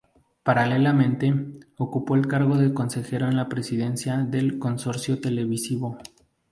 Paralelamente, ocupó el cargo de consejero en la presidencia del consorcio televisivo.